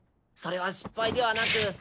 「それは失敗ではなく」。